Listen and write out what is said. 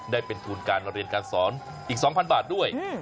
ได้เป็นทุนการเรียนการสอนอีก๒๐๐บาทด้วย